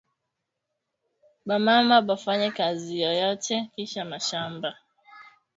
Ba mama ba fanye kazi yoyote kisha mashamba